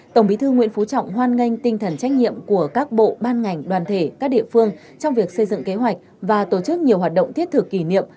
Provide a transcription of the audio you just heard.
tổng bí thư nguyễn phú trọng hoan nghênh tinh thần trách nhiệm của các bộ ban ngành đoàn thể các địa phương trong việc xây dựng kế hoạch và tổ chức nhiều hoạt động thiết thực kỷ niệm